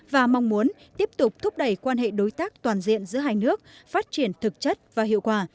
và mong muốn tiếp tục thúc đẩy quan hệ đối tác toàn diện giữa hai nước phát triển thực chất và hiệu quả